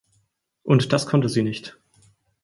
Und das konnte sie nicht.